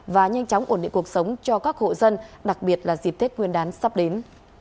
và nhanh chóng ổn định cuộc sống cho các hộ dân đặc biệt là dịp tết nguyên đán sắp đến